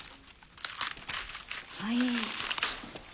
はい。